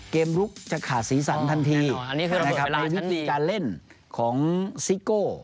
ลุกจะขาดสีสันทันทีนะครับในวิธีการเล่นของซิโก้